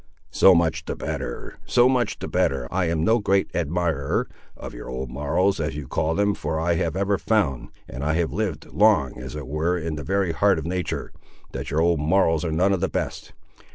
"So much the better, so much the better. I am no great admirator of your old morals, as you call them, for I have ever found, and I have liv'd long as it were in the very heart of natur', that your old morals are none of the best.